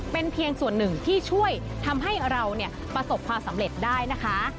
เป็นเพียงส่วนหนึ่งที่ช่วยทำให้เราประสบความสำเร็จได้นะคะ